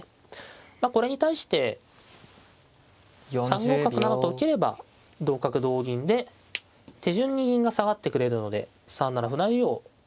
まあこれに対して３五角などと受ければ同角同銀で手順に銀が下がってくれるので３七歩成を受けずに済むわけですね。